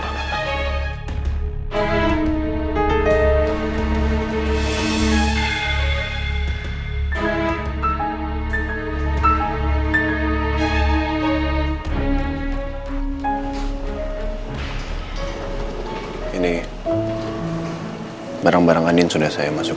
waalaikumsalam warahmatullahi wabarakatuh